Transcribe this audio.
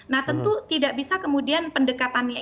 nah tentu tidak bisa kemudian pendekatannya